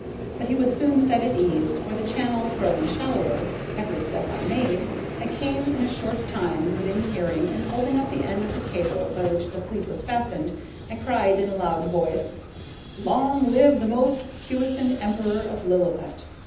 But he was soon set at ease, for, the channel growing shallower every step I made, I came in a short time within hearing, and holding up the end of the cable by which the fleet was fastened, I cried in a loud voice: "Long live the most puissant Emperor of Lilliput!"